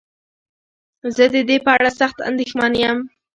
زه ددې په اړه سخت انديښمن يم.